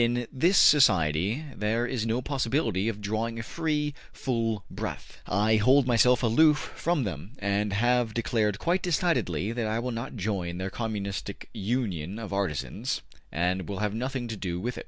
In this society there is no possibility of drawing a free, full breath. I hold myself aloof from them, and have declared quite decidedly that I will not join their communistic union of artisans, and will have nothing to do with it.''